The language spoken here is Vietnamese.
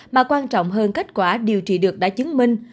mà quan trọng hơn kết quả điều trị được đã chứng minh